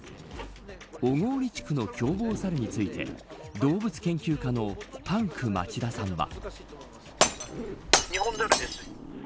小郡地区の凶暴サルについて動物研究家のパンク町田さんは。